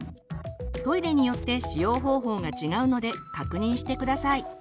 トイレによって使用方法が違うので確認して下さい。